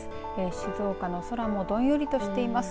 静岡の空もどんよりとしています。